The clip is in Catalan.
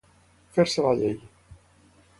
Fer-se la llei.